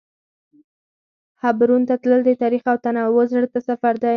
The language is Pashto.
حبرون ته تلل د تاریخ او تنوع زړه ته سفر دی.